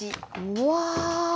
うわ！